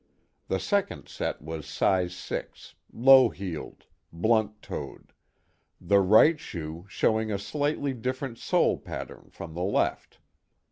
The second set was size six, low heeled, blunt toed, the right shoe showing a slightly different sole pattern from the left.